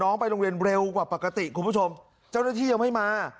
ไปโรงเรียนเร็วกว่าปกติคุณผู้ชมเจ้าหน้าที่ยังไม่มา